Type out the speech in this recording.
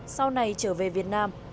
sau này trở về việt nam